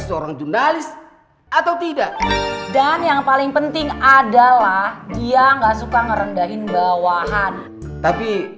seorang jurnalis atau tidak dan yang paling penting adalah dia enggak suka ngerendahin bawahan tapi